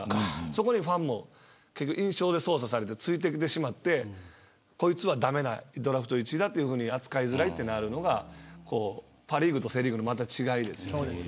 そこにファンも印象で操作されてついてきてしまってこいつは駄目なドラフト１位だ扱いづらいとなるのがパ・リーグとセ・リーグの違いですよね。